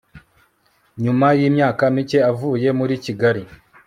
nyuma yimyaka mike avuye muri kigali